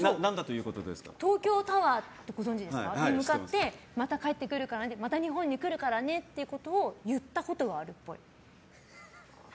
東京タワーに向かってまた帰ってくるからねまた日本に来るからねって言ったことがあるっぽい。